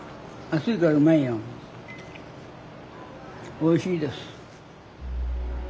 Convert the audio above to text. おいしいです。